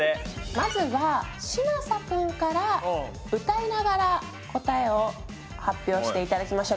まずは嶋佐君から歌いながら答えを発表していただきましょう。